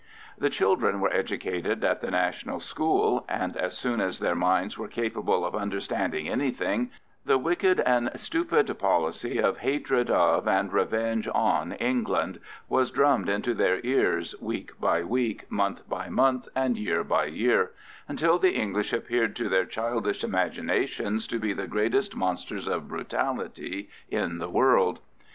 The children were educated at the national school, and as soon as their minds were capable of understanding anything, the wicked and stupid policy of hatred of and revenge on England was drummed into their ears week by week, month by month, and year by year, until the English appeared to their childish imaginations to be the greatest monsters of brutality in the world.